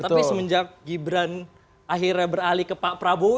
tapi semenjak gibran akhirnya beralih ke pak prabowo